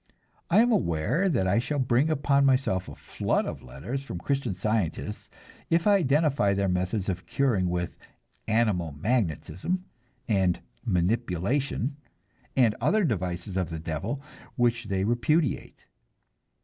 I am aware that I shall bring upon myself a flood of letters from Christian Scientists if I identify their methods of curing with "animal magnetism" and "manipulation," and other devices of the devil which they repudiate.